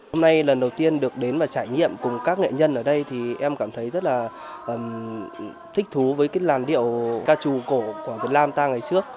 hôm nay lần đầu tiên được đến và trải nghiệm cùng các nghệ nhân ở đây thì em cảm thấy rất là thích thú với cái làn điệu ca trù cổ của việt nam ta ngày trước